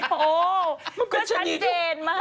โอ้โฮคือชั้นเจนมากเลย